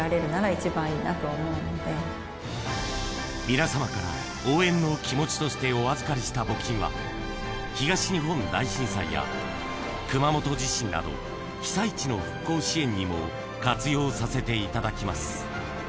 皆様から応援の気持ちとしてお預かりした募金は東日本大震災や、熊本地震など、被災地の復興支援にも活用させていただきます。